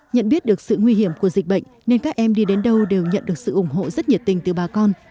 nhận biết được sự nguy hiểm của dịch bệnh nên các em đi đến đâu đều nhận được sự ủng hộ rất nhiệt tình từ bà con